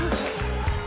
ya kepada para peserta